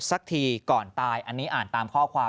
สักทีก่อนตายอันนี้อ่านตามข้อความ